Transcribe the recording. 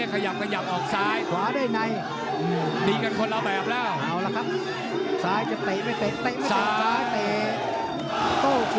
ขยับโยกมาซ้ายเตะซ้ายเตะเตะข้าว